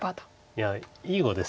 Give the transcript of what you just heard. いやいい碁ですよね。